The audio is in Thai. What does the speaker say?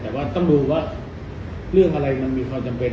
แต่ว่าต้องดูว่าเรื่องอะไรมันมีความจำเป็น